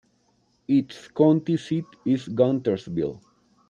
Its county seat is Guntersville.